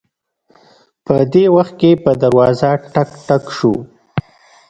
په دې وخت کې په دروازه ټک ټک شو